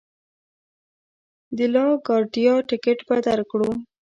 د لا ګارډیا ټکټ به درکړو.